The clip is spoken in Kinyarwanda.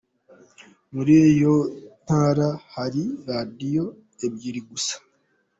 Muri iyo ntara hari Radiyo ebyiri gusa.